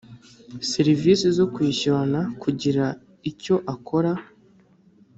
serivisi zo kwishyurana kugira icyo akora